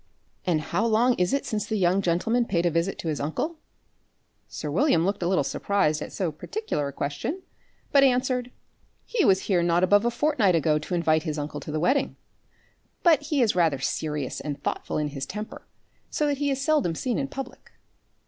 "And how long is it since the young gentleman paid a visit to his uncle?" Sir William looked a little surprized at so particular a question, but answered: "He was here not above a fortnight ago to invite his uncle to the wedding. But he is rather serious and thoughtful in his temper, so that he is seldom seen in public."